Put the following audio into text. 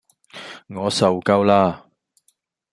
我受夠啦